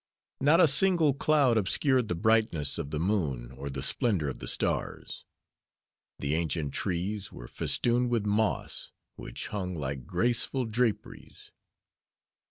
Not a single cloud obscured the brightness of the moon or the splendor of the stars. The ancient trees were festooned with moss, which hung like graceful draperies.